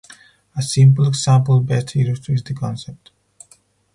A simple example best illustrates the concept.